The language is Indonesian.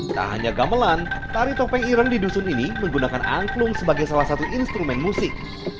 tak hanya gamelan tari topeng ireng di dusun ini menggunakan angklung sebagai salah satu instrumen musik